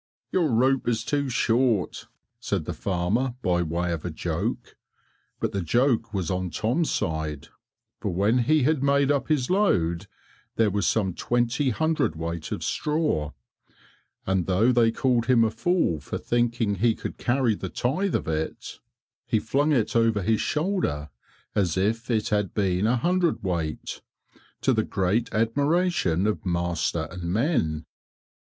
"Your rope is too short," said the farmer by way of a joke; but the joke was on Tom's side, for when he had made up his load there was some twenty hundred weight of straw, and though they called him a fool for thinking he could carry the tithe of it, he flung it over his shoulder as if it had been a hundred weight, to the great admiration of master and men.